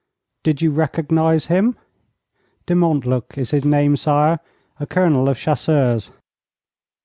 'Did you recognize him?' 'De Montluc is his name, sire a Colonel of Chasseurs.'